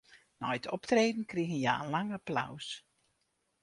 Nei it optreden krigen hja in lang applaus.